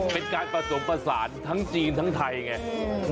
เป็นการประสงค์ประสานทั้งที่จีนทั้งไทยเงี้ย